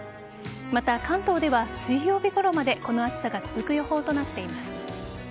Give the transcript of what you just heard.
また、関東では水曜日ごろまでこの暑さが続く予報となっています。